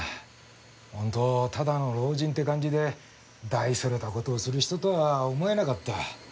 本当ただの老人って感じで大それた事をする人とは思えなかった。